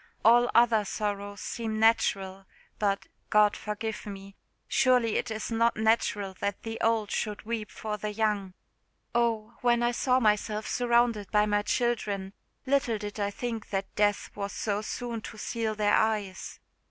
All other sorrows seem natural, but God forgive me! surely it is not natural that the old should weep for the young. Oh! when I saw myself surrounded by my children, little did I think that death was so soon to seal their eyes!